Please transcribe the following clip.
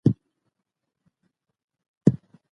وېته وېته مه کېږه جلکۍ به وایې چې که ځان ښایې.